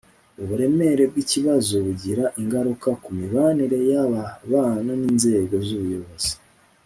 Uburemere bw ikibazo bugira ingaruka ku mibanire y aba bana n inzego z ubuyobozi